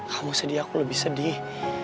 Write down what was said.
kamu sedih aku lebih sedih